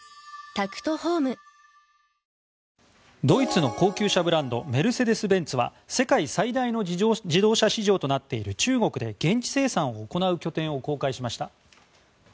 ドイツの高級車ブランドメルセデス・ベンツは世界最大の自動車市場となっている中国で現地生産を行う拠点を公開しました。